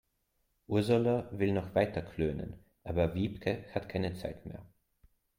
Ursula will noch weiter klönen, aber Wiebke hat keine Zeit mehr.